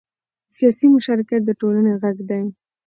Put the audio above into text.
سیاسي مشارکت د ټولنې غږ دی